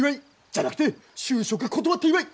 じゃなくて就職断った祝い！